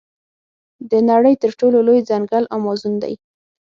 د نړۍ تر ټولو لوی ځنګل امازون دی.